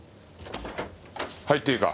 入っていいか？